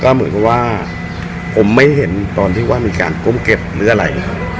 เหมือนกับว่าผมไม่เห็นตอนที่ว่ามีการก้มเก็บหรืออะไร